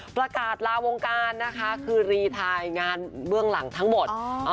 ประกาศลาวงการนะคะคือรีไทยงานเบื้องหลังทั้งหมด